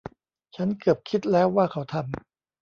ฉันเกือบคิดแล้วว่าเขาทำ